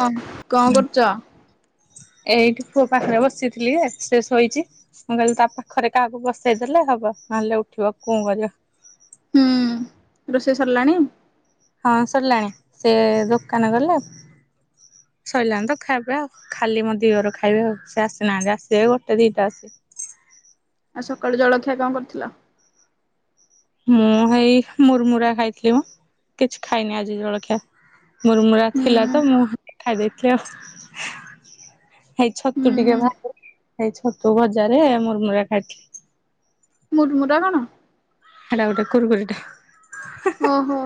ହଁ କଣ ହୁଁ କରୁଛ? ଏଇଠି ପୁଅ ପାଖରେ ବସିଥିଲି, ସେ ଶୋଇଛି। ମୁଁ କହିଲି ତା ପାଖରେ କାହାକୁ ବସେଇଦେଲେ ହବ। ନହେଲେ ଉଠିବ କୁଁ କରିବ। ହୁଁ ରୋଷେଇ ସରିଲାଣି? ହଁ ସରିଲାଣି, ସେ ଦୋକାନ ଗଲେ ସରଲାଣି ତ ଖାଇବେ ଆଉଖାଲି ମୋ ଦିଅର ଖାଇବେ, ଆଉ ସେ ଆସିନାହାନ୍ତି ଆସିବେ ଗୋଟେ ଦିଟା ଆସ ଆଉ ସକାଳୁ ଜଳଖିଆ କଣ କରିଥିଲ? ମୁଁ ହେଇ ମୁର୍ମୁରା ଖାଇଥିଲି ମ, କିଛି ଖାଇନି ଆଜି ଜଳଖିଆ। ମୁର୍ମୁରା ହୁଁ ଥିଲା ତ ମୁଁ ଖାଇ ଦେଇଥିଲି ଆଉ। ହେଇ ହୁଁ ଛତୁ ଟିକେ ଭାତରେ ହେଇ ଛତୁ ଭଜାରେ ମୁର୍ମୁରା ଖାଇଥିଲି। ମୁର୍ମୁରା କଣ? ହେଟା ଗୋଟେ କୁରୁକୁରିଟା। ଓ ହୋ।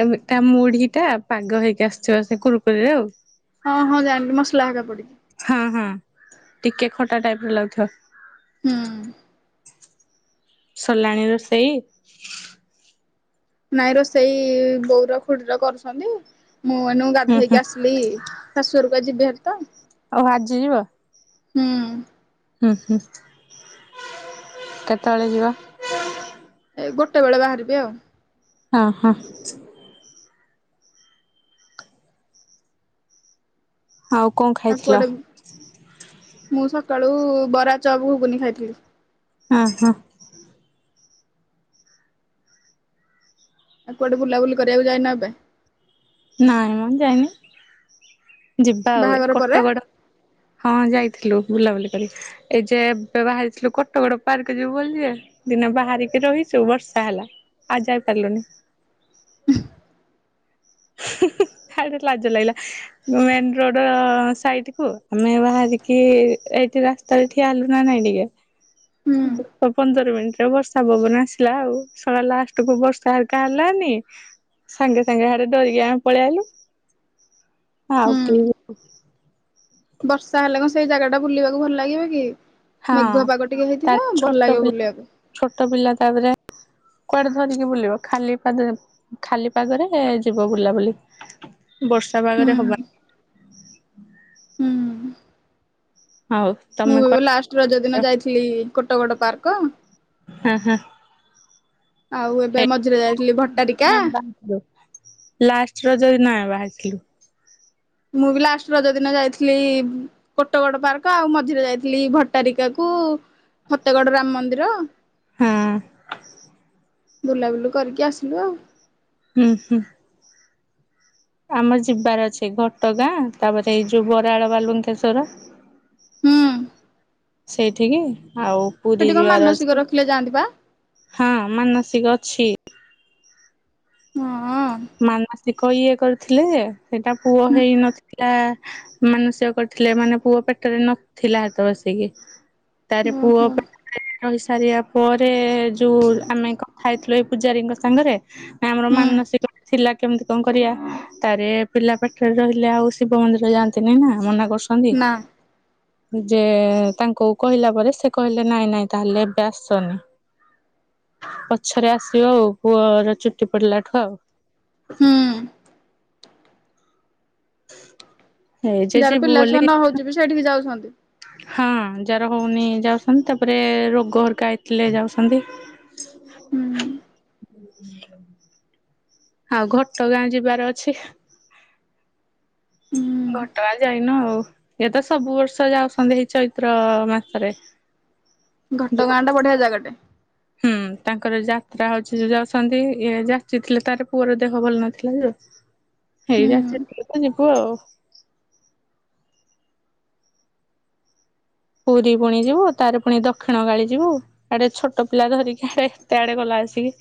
ଏ [unintelligible] ମୁଢିଟା ପାଗ ହେଇକି ଆସିିଚି, ସେ କୁରୁକୁରିରେ ଆଉ। ହଁ- ହଁ ଜାଣିଲି ମସଲା ହେକା ପଡିକି। ହଁ- ହଁ ଟିକେ ଖଟା ଟାଇପ୍ ର ଲାଗୁଥିବ। ହୁଁ। ସରିଲାଣି ରୋଷେଇ? ନାଇଁ ରୋଷେଇ ବୋଉର ଖୁଡିର କରୁଛନ୍ତି। ମୁଁ ଏଇନୁ ହୁଁ ହୁଁ ଗାଧେଇକି ଆସିଲି ଶାଶୁ ଘରକୁ ଆଜି ଯିବି ବାହାରି ତ। ଆଉ ଆଜି ଯିବ? ହୁଁ। ହୁଁ- ହୁଁ କେତେବେଳେ ଯିବ? ଏଇ ଗୋଟେ ବେଳେ ବାହାରିବି ଆଉ। ହଁ- ହଁ। ଆଉ କଣ ଖା ଆଉ କୁଆଡେ, ମୁଁ ସକାଳୁ ବରା, ଚପ, ଘୁଗୁନି ଖାଇଥିଲି। ହଁ - ହଁ। ଆଉ କୁଆଡେ ବୁଲାବୁଲି କରିବାକୁ ଯାଇନ ଏବେ? ନାଁ ମ ଯାଇନି। ଯିବା ଆଉ, ଏ ବାହାଘର ପରେ କଟଗଡ ହଁ ଯାଇଥିଲୁ ବୁଲାବୁଲି କରି। ଏଇ ଯେ ଏବେ ବାହାରିଥିଲୁ କଟଗଡ ପାର୍କ ଯିବୁ ବୋଲି ଯେ ଦିନେ ବାହାରିକି ରହିଛୁ ବର୍ଷା ହେଲା, ଆଉ ଯାଇ ପାରିଲୁନି। ହୁଁ- ହୁଁ [unintelligible] ଲାଜ ଲାଗିଲା। ମେନ ରୋଡ ସାଇଟ କୁ, ଆମେ ବାହାରିକି ଏଇଠି ରାସ୍ ସ୍ତାରେ ଠିଆ ହେଲୁ ନା ନାଇଁ ଟିକେ? ହୁଁ ବୋତ ପନ୍ଦର ମିନିଟ ରେ ବର୍ଷା ପବନ ଆସିଲା ଆଉ ସଳା ଲାଷ୍ଟ କୁ ବର୍ଷା ହେରିକା ହେଲାନି। ସାଙ୍ଗେ ସାଙ୍ଗେ ହାଡେ ଡରିକି ଆମେ ପଳେଇଆଇଲୁ। ଆଉ କେ ହୁଁ। ବର୍ଷା ହେଲେ କଣ ସେଇ ଜାଗା ଟା ବୁଲିବାକୁ ଭଲ ଲାଗିବ କି? ହଁ ମେଘୁଆ ପାଗ ଟିକେ ତା ହେଇଥିବ ଭଲ ଛୋଟ ଲାଗିବ ପିଲା ବୁଲିବାକୁ। ଛୋଟ ପିଲା ତାପରେ କୁଆଡେ ଧରିକି ବୁଲିବ ଖାଲି ପାଦରେ ଖାଲି ପାଗରେ ଯିବ ବୁଲାବୁଲି। ବର୍ଷା ପାଗରେ ହବା ହୁଁ ହୁଁ ଆଉ ମୁଁ ଲାଷ୍ଟ ରଜ ଦିନ ଯାଇଥିଲି କୋଟ ଗଡ ପାର୍କ। ଆଁ ହାଁ। ଆଉ ଏବେ ମଝିରେ ଯାଇଥିଲି ଭଟାରିକା। ବାହାରିଥିଲୁ ଲାଷ୍ଟ ରଜ ଦିନ ଆ ବାହାରିିଥିଲୁ। ମୁଁ ବି ଲାଷ୍ଟ ରଜ ଦିନ ଯାଇଥିଲି। କୋଟଗଡ ପାର୍କ ଆଉ ମଝିରେ ଯାଇଥିଲି ଭଟାରିକା କୁ। ଫତେଗଡ ରାମ ମନ୍ଦିର ହଁ [inaudible] ବୁଲାବୁଲି କରିକି ଆସିଲୁ ଆଉ। ହୁଁ ହୁଁ। ଆମର ଯିବାର ଅଛି ଘଟଗାଁ ତାପରେ ଏଇ ଯୋଉ ବରାଳ ବାଲୁଙ୍କେଶ୍ଵର। ହୁଁ। ସେଇଠିକି ଆଉ ପୁରୀ ସେଠି କଣ ଯିବାର ଅଛି ମାନସିକ ରଖିଲେ ଯାଆନ୍ତି ପା? ହଁ ମାନସିକ ଅଛି। ହଁ ଅ। ମାନସିକ ଇଏ କରିଥିଲେ ହେଟା ପୁଅ ହେଇନ ଟା ମାନସିକ କରିଥିଲେ ମାନେ ପୁଅ ପେଟ ରେ ନଥିଲା ହେତବଲିକି। ତାର ପୁଅ ଓହୋ। ପେ ରହି ସାରିବା ପରେ ଯୋଉ ଆମେ କଥା ହେଇଥିଲୁ ଏଇ ପୂଜାରୀଙ୍କ ସାଙ୍ଗରେ। ନାଁ ଆମର ହୁଁ ମାନସିକ ଥିଲାା କେମିତି କଣ କରିବା ତାପରେ ପିଲା ପେଟରେ ରହିଲେ ଆଉ ଶିବ ମନ୍ଦିର ଯାଆନ୍ତିନି ନା ମନା କରୁଛ ଛନ୍ତି। ନା ଯେ ତାଙ୍କୁ କହିଲା ପରେ ସେ କହିଲେ ନାଇଁ ନାଇଁ ତାହେଲେ ଏବେ ଆସନି। ପଛରେ ଆସିବ ଆଉ ପୁଅର ଚୁଟି ପଡିଲା ଠୁ ଆଉ। ହୁଁ। [inaudible] ଯେ ଯାହାର ଯିବୁ ପିଲା ବୋଲି ଛୁଆ ନ ହଉଛି ବି ସେଇଠିକି ଯାଉଛନ୍ତି। ହଁ ଯାର ହଉନି ଯାଉଛନ୍ତି ତାପରେ ରୋଗ ହେରିକା ହେଇଥିଲେ ଯାଉଛନ୍ତି। ହୁଁ। ଆଉ ଘଟଗାଁ ଯିବାର ଅଛି। ହୁଁ ଘଟଗାଁ ଯାଇନ ଆଉ। ଇଏ ତ ସବୁ ବର୍ଷ ଯାଉଛନ୍ତି ଏଇ ଚୈତ୍ର ମାସରେ। ଯୋଉ ଘଟଗାଁ ଟା ବଢିଆ ଜାଗାଟେ। ହୁଁ, ତାଙ୍କର ଯାତ୍ରା ହଉଛି ଯୋଉ ଯାଉଛନ୍ତି ଯାଚିଥିଲେ ତାର ପୁଅର ଦେହ ଭଲ ନଥିଲା ଯେ। ହୁଁ ହେଇଯାଇଛି ତ ଯିବୁ ଆଉ। ପୁରୀ ପୁଣି ଯିବୁ ତା ରେ ପୁଣି ଦକ୍ଷିଣ କାଳି ଯିବୁ। ଏଆଡେ ଛୋଟ ପିଲା ଧରିକି ଇ ଏତେ ଆଡେ ଗଲା ଆସିକି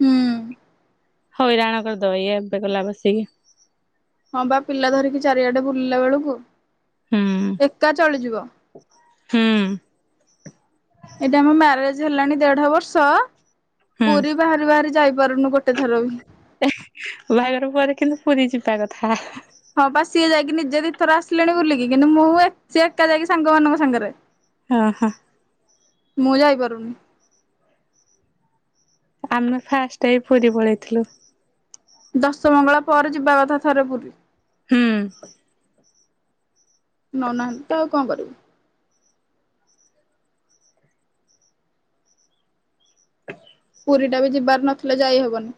ହୁଁ ହଇରାଣ କରିଦବ ଇଏ ଏମନ୍ତି ଗଲା ବସିକି। ହଁ ବା ପିଲା ଧରିକି ଚାରିଆଡେ ବୁଲିଲା ବେଳକୁ ହୁଁ ଏକା ଚଳିଯିବ। ହୁଁ। ଏଇଟା ଆମେ ମ୍ୟାରେଜ ହେଲାଣି ଦେଢ ବର୍ଷ ହୁଁ। ପୁରୀ ବାହାରି ବାହାରି ଯାଇ ପାରୁନୁ ଗୋଟେ ଥର ବି। ଏ ବାହାଘର ପରେ କିନ୍ତୁ ପୁରୀ ଯିବା କଥା। ହଁ ପା ସିଏ ଯାଇକି ନିଜେ ଦି ଥର ଆସିଲେଣି ବୁଲିକି କିନ୍ତୁ ମୁଁ ସେ ଏକା ଯାଇକି ସାଙ୍ଗମାନଙ୍କ ସାଙ୍ଗରେ। ଓ ହଁ। ମୁଁ ଯାଇପାରୁନି। ଆମେ ଫାଷ୍ଟ ପୁରୀ ପଳେଇଥିଲୁ। ଦଶମଙ୍ଗଳା ପରେ ଯିବା କଥା ଥରେ ପୁରୀ। ହୁଁ। ନୋଉ ନାହାନ୍ତି ତ ଆଉ କଣ କରିବୁ। ପୁରୀ ଟା ବି ଯିବାର ନଥିଲେ ଯାଇ ହବନି,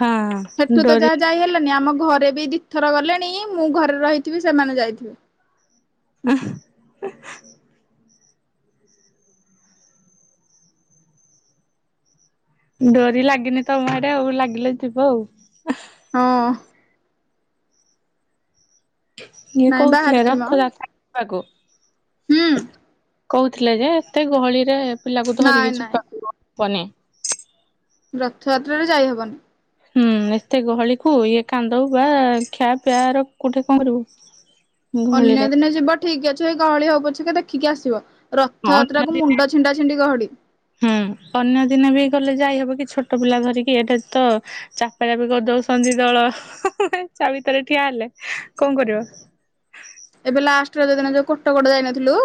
ହଁ ସେଠୁ ତ ଡୋରି ଯାହା ଯାଇ ହେଲାନି ଆମ ଘରେ ବି ଦିଇଥର ଗଲେଣି ମୁଁ ଘରେ ରହିଥିବି ସେମାନେ ଯାଇଥିବେ। ଉଁ ହୁଁ। ଡୋରି ଲାଗିନି ତମ ଆଡେ ଆଉ ଲାଗିଲେ ଯିବ ଆଉ। ହଁ। ଇଏ ନାଇଁ କହୁଥିଲେ ବାହାରିଛୁ ମ ରଥଯାତ୍ରକୁ ହୁଁ ଯିବାକୁ। କହୁଥିଲେ ଯେ ଏତେ ଗହଳିରେ ପିଲାକୁ ନାଇଁ ଧରିକି ନାଇଁ ଯିବାକୁ ହ ବନି। ରଥଯାତ୍ରାରେ ଯାଇହବନି। ହୁଁ ଏତେ ଗହଳିକୁୁ ଇଏ କାନ୍ଦ ବା ଖିଆ ପିଆ ର କୋଉଠି କଣ ରୁ। ଅନ୍ୟ ଦିନେ ଯିବ ଠିକ ଅଛି ଏଇ ଗହଳି ହଉ ପଛକେ ଟିକେ ଦେଖିକି ଆସିବ। ରଥଯାତ୍ରା ଅନ୍ୟ କୁ ଦିନେ ମୁଣ୍ଡ ଛିଣ୍ଡା ଛିଣ୍ଡି ଗହଡି। ହୁଁ ଅନ୍ୟ ଦିନେ ବି ଗଲେ ଯାଇହବ କି ଛୋଟ ପିଲା ଧରିକି ଏଇଟା ତ ଚା ଏ ରକମ କରିଦଉଛନ୍ତି ଦଳ ତା ଭିତରେ ଠିଆ ହେଲେ କଣ କରିବ। ଏବେ ଲାଷ୍ଟରେ ଯୋଉ ଦିନ ଯୋଉ କୋଟକଟ ଯାଇନଥିଲୁ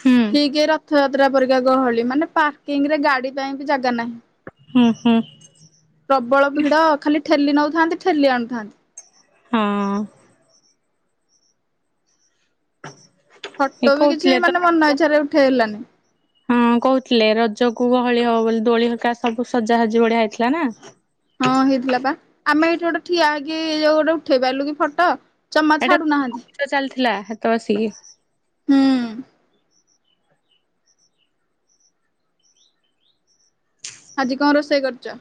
ହୁଁ ଏ ର ରଥଯାତ୍ରା ପରିକା ଗହଳି ମାନେ ପାର୍କିଂ ରେ ଗାଡି ପାଇଁ ବି ଜାଗା ନାହିଁ। ହୁଁ ହୁଁ। ପ୍ରବଳ ଭିଡ ଖାଲି ଠେଲି ନଉଥାନ୍ତି ଠେଲି ଆଣୁଥାନ୍ତି। ହଁ। ଏ ଫଟୋ ବି କିଛି କହୁଥିଲେ ତ ମାନେ ମନ ଇଚ୍ଛାରେ ଉଠେଇହେଲାନି। ହଁ କହୁଥିଲେ ରଜକୁ ଗହଳି ହବ ବୋଲି ଦୋଳି ହଲକା ସବୁ ସଜାସଜି ବଢିଆ ହେଇଥିଲା ନା। ହଁ ହେଇଥିଲା ବା ଆମେ ଏଇଠି ଗୋଟେ ଠିଆ ହେଇକି ଯୋଉ ଗୋଟେ ଉଠେଇ ପାରିଲୁ କି ଫଟୋ। ଜମା ଛାଡ଼ୁନାହାନ୍ତି। ଏଇଟା ଚାଲିଥିଲା ହେ ତ ଆସିକି। ହୁଁ। ଆଜି କଣ ରୋଷେଇ କରୁଛ?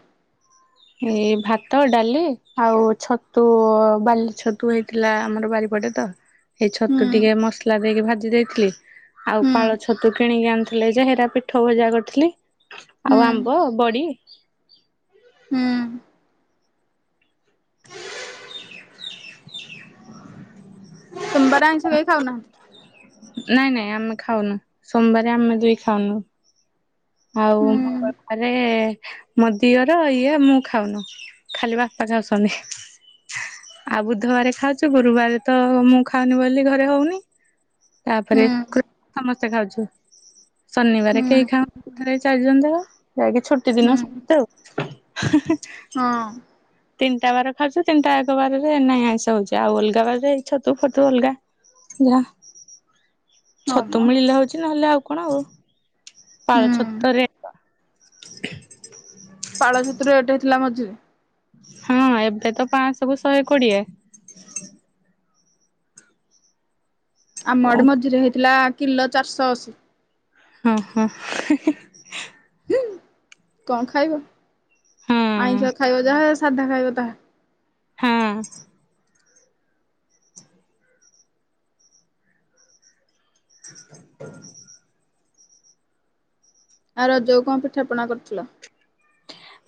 ଏଇ ଭାତ ଡାଲି ଆଉ ଛତୁ ବାଲି ଛତୁ ହେଇଥିଲା ଆମର ବାରିପଟେ। ଏଇ ହୁଁ ଛତୁ ଟିକେ ମସଲା ଦେଇକି ଭାଜି ଦେଇଥିଲି ତ ଆଉ ହୁଁ ପାଳ ଛତୁ କିଣିକି ଆଣିଥିଲେ ଯେ ହେଟା ପିଠଉ ଉଜା କରିଥିଲି। ହୁଁ ଆଉ ଆମ୍ବ ବଡି। ହୁଁ। ସୋମବାର ଆଇଁଷ କେଇ ଖାଉନା? ନାଇଁ ନାଇଁ ଆମେ ଖାଉନୁ ସୋମବାରେ ଆମେ ଦିଇ ଖାଉନୁ। ହଉ ହୁଁ ମଙ୍ଗଳ ଆରେ ମୋ ଦିଅର ଇଏ ମୁଁ ଖାଉନୁ। ଖାଲି ବାପା ଝାଉସନି। ଆଉ ବୁଧବାରେ ଖାଉଛୁ ଗୁରୁବାରେ ତ ମୁଁ ଖାଉନି ବୋଲି ଘରେ ହଉନି। ତାପରେ ହୁଁ ଖୁ ସମସ୍ତେ ଖାଉଛୁ ଶନିବାରେ ହୁଁ କେହି ଖାଅଁ [unintelligible] ଯାଇକି ଛୁଟି ହୁଁ ଦିନ ସମସ୍ତେ ଆଉ। ହଁ। ତିନିଟା ବାର ଖାଉଚୁ ତିନିଟା ଏକ ବାରରେ ନାଇଁ ଆଇଁଷ ହଉଛି ଆଉ ଅଲଗା ବାରରେ ଇ ଛତୁ ଫଟୁ ଅଲଗା। ଯା ହଁ ଛତୁ ମ ମିଳିଲେ ହଉଛି ନହେଲେ ଆଉ କଣ ଆଉ। ହୁଁ ପାଳଛତ୍ ଥରେ [unintelligible] ପାଳ ଛତୁଟା ରେଟେ ହେଇଥିଲା ମଝିରେ। ହଁ ଏବେ ତ ପାଞ୍ଚଶବୁ ଶହେ କୋଡ଼ିଏ। ଆମ କଣ ଆଡ଼େ ମଝିରେ ହେଇଥିଲା କିଲ ଚାରିଶହ ଅଶୀ। ହଁ ହଁ ହି ହି ହି। [unintelligible] କଅଁ ଖାଇବ ହଁ। ଆଇଁଷ ଖାଇବ ଯାହା ସାଧା ଖାଇବ ତାହା। ହଁ। [inaudible] ହ ଆଉ ରଜକୁ କଣ ପିଠାପଣା କରିଥିଲ?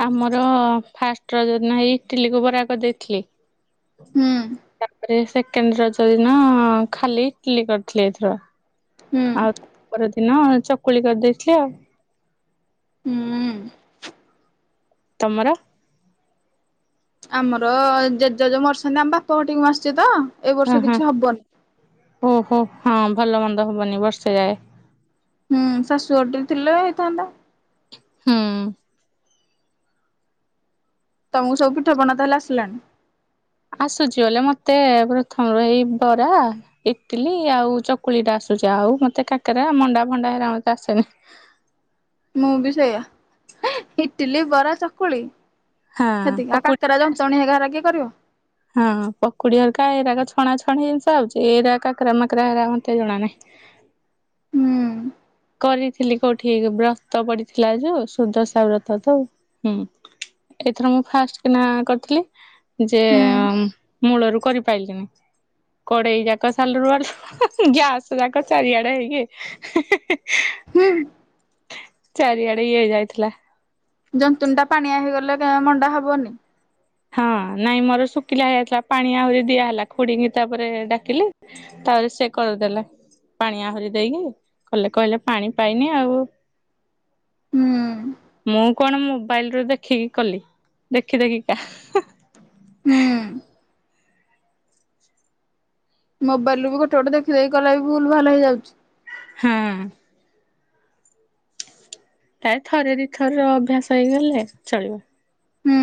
ଆମର ଫାଷ୍ଟ ରଜ ଦିନ ହେଇ ଇଟିଲିକୁ ବରା କରିଦେଇଥିଲି। ହୁଁ ତାପରେ ସେକେଣ୍ଡେ ରଜ ଦିନ ଖାଲି ଇଟ୍ଲି କରିଥିଲେ ଏଥର। ହୁଁ ଆଉ ପରଦିନ ଚକୁଳି କରିଦେଇଥିଲି ଆଉ। ହୁଁ ତମର? ଆମର ଜେଜେ ଜୋଉ ମରିସ୍ରନ୍ ନାଁ ଆମ ବାପ ଘଟିିକି ମୁଁ ଆସ୍ଚି ତ ଏଇ ହଁ ବର୍ଷ ହଁ କିଛି ହବନି। ଓହୋ ହଁ ଭଲ ମନ୍ଦ ହବନି ବର୍ଷେ ଯାଏ। ହୁଁ ଶାଶୁଅଡ଼୍ରି ଥିଲେ ହେଇଥାନ୍ତା। ହୁଁ। ତମକୁ ସବୁ ପଠା ବଣା ତାହେଲେ ଆସିଲାଣି? ଆସୁଛି ଅଲେ ମତେ ପ୍ରଥମରୁ ହେଇ ବରା ଇଟିଲି ଆଉ ଚକୁଳି ଟା ଆସୁଛି ଆଉ ମତେ କାକେରା ମଣ୍ଡା ଭଣ୍ଡା ହେରା ମତେ ଆସେନି। ମୁଁ ବି ସେଇଆ ହେଁ ଇଟିଲି ବରା ଚକୁଳି ହଁ ସେତିକି [unintelligible] ପକୁଡି ତରା ଜନ୍ତଣି ହେ ଘାର ଆଗେ କରିବ। ହଁ ପକୁଡ଼ି ଘରିକା ଏଇରାଗ ଛଣା ଛଣି ଜିନିଷ ଆଉଛି ଏଇଡ଼ା କାକରା ମାକରା ରା ମନ୍ଥେ ଜଣା ନାହିଁ। ହୁଁ କରିଥିଲି କୋଉଠିକି ବ୍ରତ ପଡ଼ିଥିଲା ଯୋ ସୁର୍ଦଶା ବ୍ରଥ ତ ହୁଁ। ଏଥର ମୁଁ ଫାଷ୍ଟ କିନା କରିଥିଲି। ଯେ ହୁଁ ୟାମ୍ ମୂଳରୁ କରିପାଇଲିଣିି। କଢ଼େଇ ଯାକ ସାଲୁରୁ ୱାଡ଼ୁ ହୁଁ ହୁଁ ଗ୍ୟାସ୍ ଯାଙ୍କ ଚାରିଆଡ଼େ ହେଇକି ହେଁ ହେଁ ହେଁ। ହୁଁ ହୁଁ। ଚାରିଆଡ଼େ ଇଏ ଯାଇଥିଲା। ଜନ୍ତୁନିଟା ପାଣିଆଁ ହେଇଗଲା କାଁ ମଣ୍ଡା ହବନି। ହଁ ନାଇଁ ମୋର ଶୁଖିଲା ହେଇୟାଥିଲା ପାଣି ଆହୁରି ଦିଆ ହେଲା ଖୁଡ଼ିକି ତାପରେ ଡ଼ାକିଲି। ତାପରେ ସେ କରିଦେଲେ ପାଣି ଆହୁରି ଦେଇକି କଲେ କହିଲେ ପାଣି ପାଇନି ଆଉ। ହୁଁ ମୁଁ କଣ ମୋବାଇଲ୍ରୁ ଦେଖିକି କଲି ଦେଖି ଦେଖି କା ହୁଁ। ହୁଁ। ମୋବାଇଲିବୁ ଗୋଟେ ଗୋଟେ ଦେଖିଦେଇ ଗଲା ବି ଭୁଲ୍ ଭାଲ୍ ହେଇଯାଉଛି। ହଁ। ତାରେ ଥରେ ଦିଥର ଅଭ୍ୟାସ ହେଇଗଲେ ଚଳିବ। ହୁଁ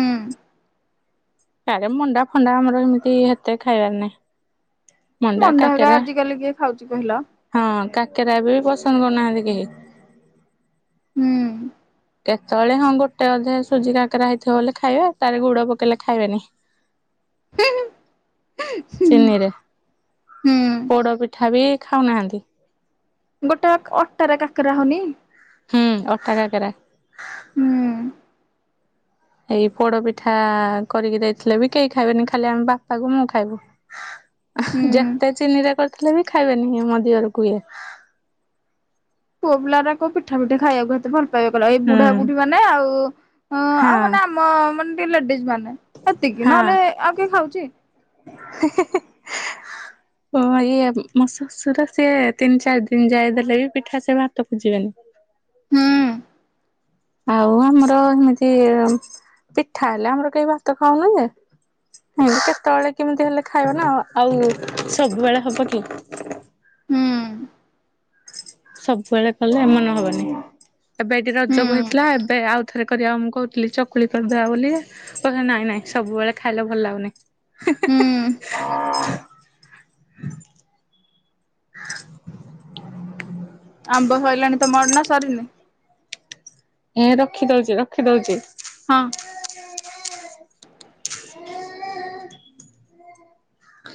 ତାରେ ମଣ୍ଡା ଫଣ୍ଡା ଆମର ଏମିତି ହେତେ ଖାଇବାର ନାଇଁ। ମଣ୍ଡା ହେକା ଆଜିିକାଲି କିଏ ଖାଉଚି କହିଲ। ହଁ କାକେରା ବି ପସନ୍ଦ କରୁନାହାନ୍ତି କେହି। ହୁଁ। କେତେବେଳେ ହଁ ଗୋଟେ ଅଧେ ସୁଜି କାକେରା ହେଇଥିବ ବେଲେ ଖାଇବେ ତାରେ ଗୁଡ ପକେଇଲେ ଖାଇବେନି। ହୁଁ ହୁଁ। ଚିନିରେ ହୁଁ। ପୋଡ ପିଠା ବି ଖାଉନାହାନ୍ତି। ଗୋଟେ କ୍ ଅଟାରେ କାକେରା ହଉନି? ହୁଁ ଅଟା କାକେରା। ହୁଁ। ଏଇ ପୋଡପିଠା କରିକି ଦେଇଥିଲେ ବି କେହି ଖାଇବେନି ଖାଲି ଆମ ବାପା କୁ ମୁଁ ଖାଇବୁ। ହ ଆଃ ଯେତେ ଚିନିରେ କରିଥିଲେ ବି ଖାଇବେନି ମୋ ଦିଅରକୁ ଇଏ। ପୁଅ ପିଲାରାକ ପିଠା ଫିଠା ଖାଇବାକୁ ଏତେ ଭଲ ପାଇବେ କଲ। ଏଇ ହୁଁ ବୁଢା ବୁଢୀ ମାନେ ଆଉ ଅଁ ହଁ ଆଉ ମାନେ ଆମ୍ ମ ମାନେ ଟିକେ ଲେଡିଜ୍ ମାନେ ହେତିକି ନହେଲେ ଆଉ କିଏ ଖାଉଚି। ହେ ହେ ହେ। ହୁଁ ହଁ ଇଏ ମୋ ଶ୍ୱଶୁର ସିଏ ତିନି ଚାରି ଦିନ ଯାଏ ଦେଲେ ବି ପିଠା ସେ ଭାତ ଖୋଜିବେନି। ହୁଁ। ଆଉ ଆମର ହେମିତି ପିଠା ହେଲେ ଆମର କେହି ଭାତ ଖାଉନୁ ଯେ ହେମିତି କେତେବେଳେ କେମିତି ହେଲେ ଖାଇବ ନା ଆଉ ସବୁବେଳେ ହବ କି। ହୁଁ ସବୁବେଳେ କଲେ ମନ ହବନି। ଏବେ ଏଇଠି ହୁଁ ରଜକୁ ହେଇଥିଲା ଏବେ ଆଉ ଥରେ କରିବା ମୁଁ କହୁଥିଲି ଚକୁଳି କରିଦବା ବୋଲି ଯେ, କହୁସନ୍ତି ନାଇଁ ନାଇଁ ସବୁବେଳେ ଖାଇଲେ ଭଲ ଲାଗୁନି। ହୁଁ [unintelligible] [unintelligible] ଆମ୍ବ ସଇଲାଣି ତମଆଡେ ନା ସରିନି? ଏ ରଖି ଦଉଚି ରଖି ଦଉଚି। ହଁ।